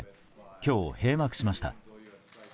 今日、閉幕しました。